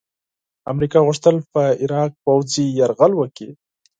امریکا غوښتل په عراق پوځي یرغل وکړي.